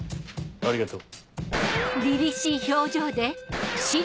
ありがとう。